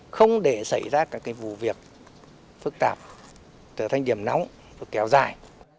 không để xảy ra các vụ việc phức tạp trở thành điểm nóng kéo dài